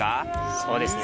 そうですね。